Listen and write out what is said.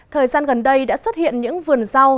thời gian gần đây đã xuất hiện những vườn rau